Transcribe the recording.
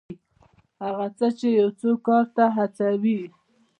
هغه څه چې یو څوک کار ته هڅوي.